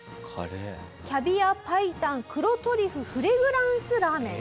キャビア白湯黒トリュフフレグランスラーメン。